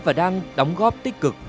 và đang đóng góp tích cực